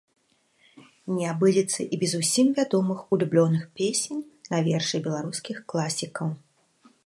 Не абыдзецца і без усім вядомых улюбёных песень на вершы беларускіх класікаў.